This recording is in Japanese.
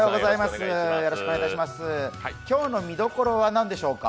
今日の見どころは何でしょうか。